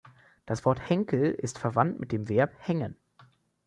Das Wort „Henkel“ ist verwandt mit dem Verb „hängen“.